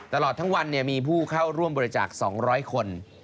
ตลอดทั้งวันมีผู้เข้าร่วมบริจาค๒๐๐คน